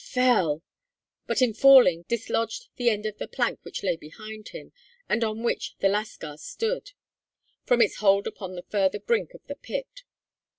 Fell! but in falling dislodged the end of the plank which lay behind him, and on which the lascar stood, from its hold upon the further brink of the pit.